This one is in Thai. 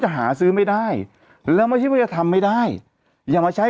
หาซื้อไม่ได้แล้วไม่ใช่ว่าจะทำไม่ได้อย่ามาใช้